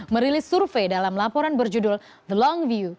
merilis survei dalam laporan berjudul the long view